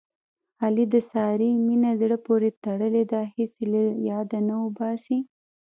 علي د سارې مینه زړه پورې تړلې ده. هېڅ یې له یاده نه اوباسي.